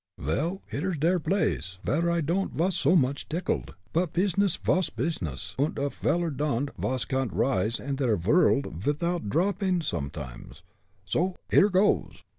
"Vel, here's der blace vere I don'd vas so much tickled. But pizness vas pizness, und a veller don'd vas can rise in der vorld vidout dropping sometimes; so here goes!"